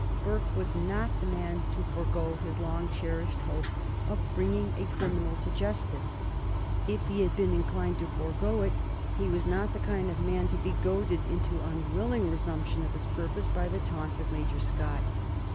Burke was not the man to forego his long cherished hope of bringing a criminal to justice. If he had been inclined to forego it, he was not the kind of man to be goaded into unwilling resumption of his purpose by the taunts of Major Scott.